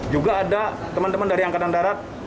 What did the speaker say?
juga ada teman teman dari angkatan darat